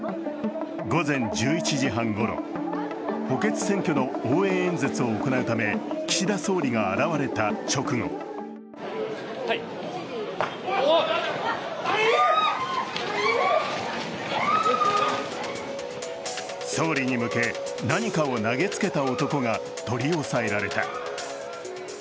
午前１１時半ごろ、補欠選挙の応援演説を行うため岸田総理が現れた直後総理に向け何かを投げつけた男が取り押さえられた。